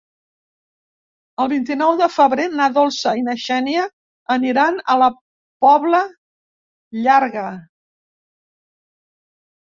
El vint-i-nou de febrer na Dolça i na Xènia aniran a la Pobla Llarga.